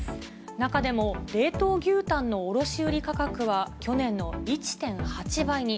中でも、冷凍牛タンの卸売価格は去年の１．８倍に。